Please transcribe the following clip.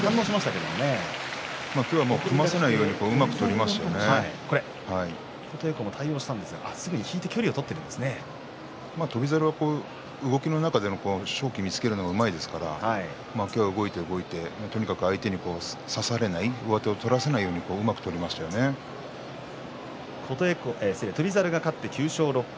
今日は組ませないように琴恵光も対応して翔猿は動きの中で勝機を見つけるのがうまいですから、今日は動いて動いて相手に差されない上手を取らせないように翔猿、勝って９勝６敗